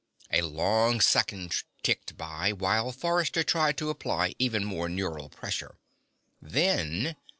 A long second ticked by, while Forrester tried to apply even more neural pressure. Then